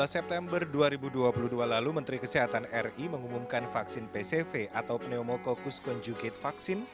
dua belas september dua ribu dua puluh dua lalu menteri kesehatan ri mengumumkan vaksin pcv atau pneumococcus conjugate vaksin